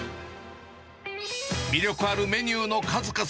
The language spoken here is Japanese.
魅力あるメニューの数々。